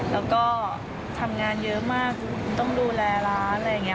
แล้วก็ทำงานเยอะมากต้องดูแลร้านอะไรอย่างนี้